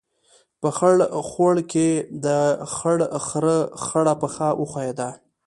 په خړ خوړ کې، د خړ خرهٔ خړه پښه وښیوده.